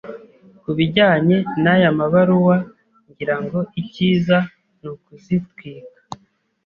Kubijyanye naya mabaruwa, ngira ngo icyiza nukuzitwika.